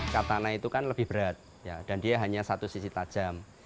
katana itu kan lebih berat dan dia hanya satu sisi tajam